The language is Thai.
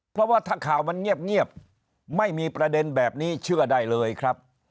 เพราะว่าถ้าข่าวมันเงียบไม่มีประเด็นแบบนี้เชื่อได้เลยครับ